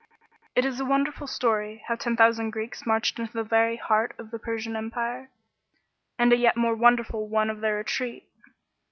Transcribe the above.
It is a wonderful story, how ten thousand Greeks inarched into the very heart of the Persian empire, and a yet more wonderful one of their retreat.